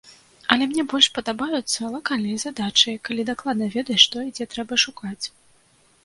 Але мне больш падабаюцца лакальныя задачы, калі дакладна ведаеш, што і дзе трэба шукаць.